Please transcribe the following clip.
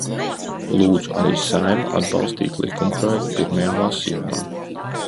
Lūdzu arī Saeimu atbalstīt likumprojektu pirmajā lasījumā.